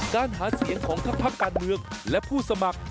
การหาเสียงของทั้งภาคการเมืองและผู้สมัคร